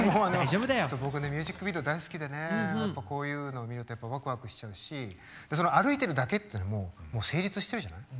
僕ねミュージックビデオ大好きでねこういうのを見るとやっぱワクワクしちゃうし歩いてるだけっていうのももう成立してるじゃない？